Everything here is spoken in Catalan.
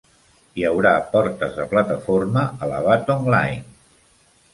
Hi haurà portes de plataforma a la Batong Line.